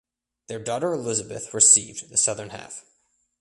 Their daughter Elizabeth received the southern half.